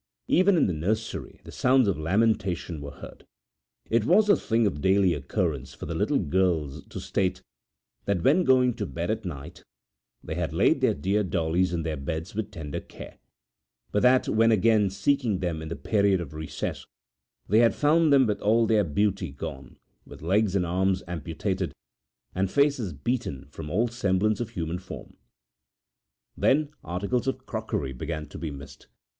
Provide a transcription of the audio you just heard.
Even in the nursery the sounds of lamentation were heard..It was a thing of daily occurrence for the little girls to state that when going to bed at night they had laid their dear dollies in their beds with tender care, but that when again seeking them in the period of recess they had found them with all their beauty gone, with legs and arms amputated and faces beaten from all semblance of human form. Then articles of crockery began to be missed.